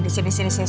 disini disini disini